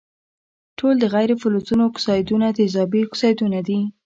ټول د غیر فلزونو اکسایدونه تیزابي اکسایدونه دي.